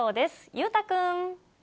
裕太君。